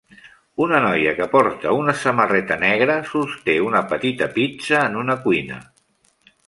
Una noia que porta una samarreta negra sosté una petita pizza en una cuina.